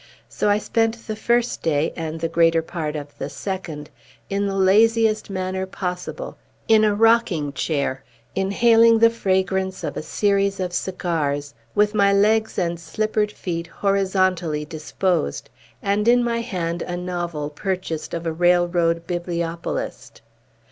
So I spent the first day, and the greater part of the second, in the laziest manner possible, in a rocking chair, inhaling the fragrance of a series of cigars, with my legs and slippered feet horizontally disposed, and in my hand a novel purchased of a railroad bibliopolist.